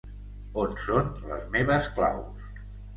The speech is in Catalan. On son les meves claus?